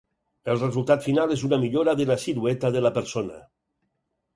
El resultat final és una millora de la silueta de la persona.